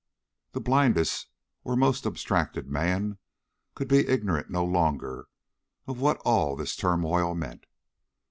The blindest or most abstracted man could be ignorant no longer of what all this turmoil meant.